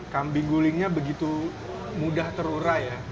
kambing gulingnya begitu mudah terurai ya